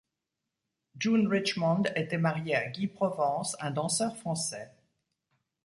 June Richmond était mariée à Guy Provence, un danseur français.